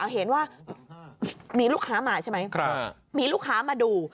เห็นว่ามีลูกค้ามาใช่ไหมมีลูกค้ามาดู